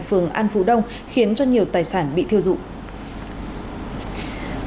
phường an phú đông khiến cho nhiều tài sản bị thiêu dụng